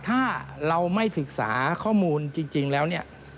ถ้าเราไม่ศึกษาข้อมูลจริงแล้วเนี่ย